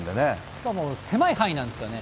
しかも狭い範囲なんですよね。